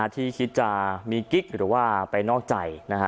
ที่คิดจะมีกิ๊กหรือว่าไปนอกใจ